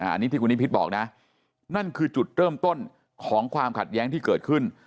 อันนี้ที่คุณนิพิษบอกนะนั่นคือจุดเริ่มต้นของความขัดแย้งที่เกิดขึ้น